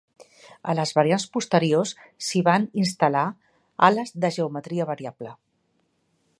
A les variants posteriors s'hi van instal·lar ales de geometria variable.